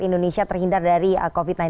indonesia terhindar dari covid sembilan belas